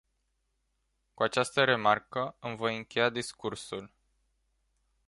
Cu această remarcă îmi voi încheia discursul.